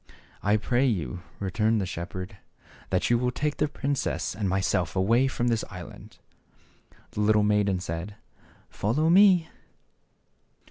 "I pray you," returned the shepherd, " that you will take the princess and myself away from this island."' The little maiden said, " Follow me."